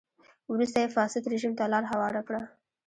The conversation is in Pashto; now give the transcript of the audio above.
وروسته یې فاسد رژیم ته لار هواره کړه.